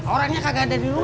orangnya kagak ada di rumah